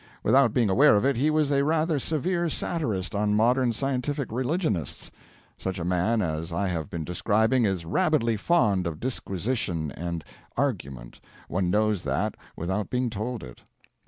Without being aware of it, he was a rather severe satirist on modern scientific religionists. Such a man as I have been describing is rabidly fond of disquisition and argument; one knows that without being told it.